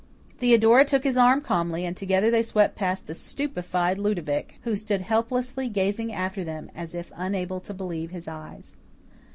Theodora took his arm calmly, and together they swept past the stupefied Ludovic, who stood helplessly gazing after them as if unable to believe his eyes.